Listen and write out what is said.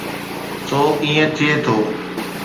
سو ائين ٿئي ٿو.